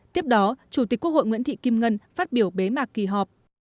tiếp đó chủ tịch quốc hội nguyễn thị kim ngân phát biểu bế mạc kỳ họp